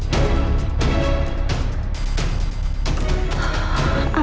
apa elsa sudah berubah